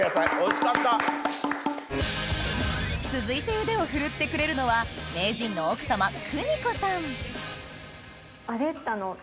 続いて腕を振るってくれるのはアレッタの。